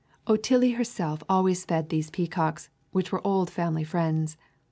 Otillie herself always fed these peacocks, which were old family friends.